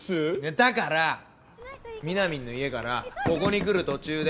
だからみなみんの家からここに来る途中で。